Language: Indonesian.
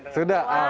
sudah bisa dengar